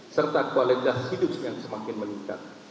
serta kualitas hidup yang semakin meningkat